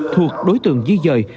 thuộc đối tượng di dời